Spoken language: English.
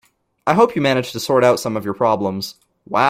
I hope you managed to sort out some of your problems.